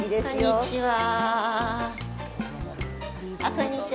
こんにちは。